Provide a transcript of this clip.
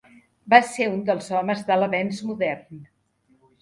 Va ser un dels homes de "l'Avenç Modern".